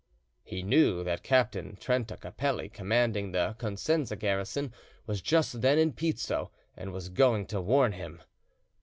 He knew that Captain Trenta Capelli commanding the Cosenza garrison was just then in Pizzo, and he was going to warn him.